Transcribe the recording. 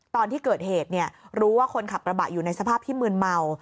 ตอนที่เกิดเหตุรู้ว่าคนขับกระบะอยู่ในสภาพที่มืนเมา